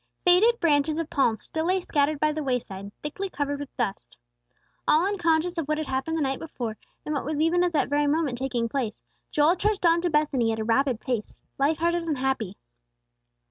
Faded branches of palms still lay scattered by the wayside, thickly covered with dust. All unconscious of what had happened the night before, and what was even at that very moment taking place, Joel trudged on to Bethany at a rapid pace, light hearted and happy.